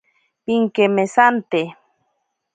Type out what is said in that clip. Pinkemesante.